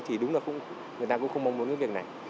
thì đúng là người ta cũng không mong muốn cái việc này